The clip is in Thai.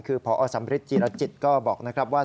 คือพอสำริทจีรจิตก็บอกนะครับว่า